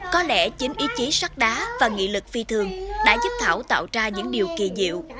có lẽ chính ý chí sắc đá và nghị lực phi thường đã giúp thảo tạo ra những điều kỳ diệu